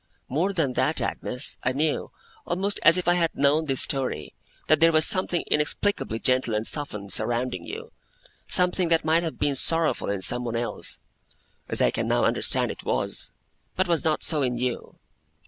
'More than that, Agnes, I knew, almost as if I had known this story, that there was something inexplicably gentle and softened, surrounding you; something that might have been sorrowful in someone else (as I can now understand it was), but was not so in you.